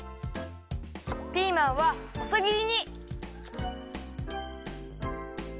ピーマンはほそぎりに。